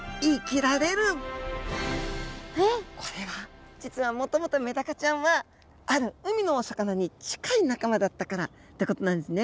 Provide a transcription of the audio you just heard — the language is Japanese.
これは実はもともとメダカちゃんはある海のお魚に近い仲間だったからってことなんですね。